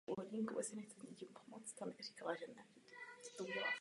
Současně se změnami obyvatelstva se budou měnit i jejich kultury.